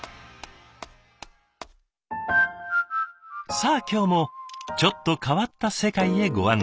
さあ今日もちょっと変わった世界へご案内。